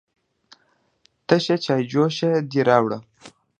_تشه چايجوشه دې راوړه؟